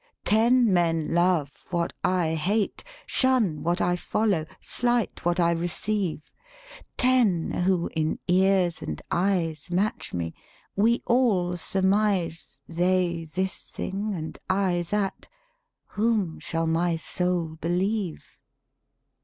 Ten men love what I hate, Shun what I follow, slight what I receive; Ten, who in ears and eyes Match me: we all surmise, They, this thing, and I, that: whom shall my soul believe?